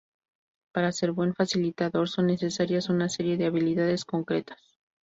Para ser buen facilitador son necesarias una serie de habilidades concretas.